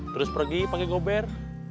terus pergi pakai gober